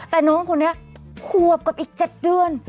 แต่น้องคนนี้ขวบกับอีก๗เดือน